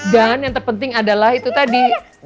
dan yang terpenting adalah itu tadi